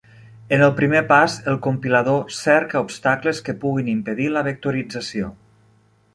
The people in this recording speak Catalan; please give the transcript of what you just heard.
En el primer pas, el compilador cerca obstacles que puguin impedir la vectorització.